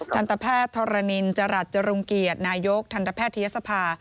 ทันตแพทย์ธรณินจรัสจรุงเกียรตินายกทันตแพทยศภา